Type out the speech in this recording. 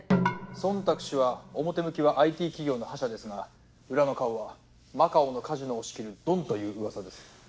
ソンタク氏は表向きはＩＴ企業の覇者ですが裏の顔はマカオのカジノを仕切るドンという噂です。